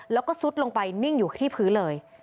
แล้วก็ซุดลงไปนิ่งอยู่ที่พื้นเลย